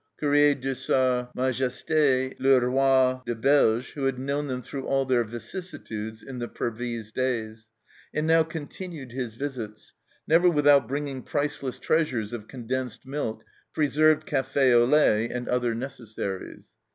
Courrier de sa Majeste le Roi des Beiges, who had known them through all their vicissitudes in the Pervyse days, and now continued his visits, never without bring ing priceless treasures of condensed milk, preserved cafe au lait and other necessaries.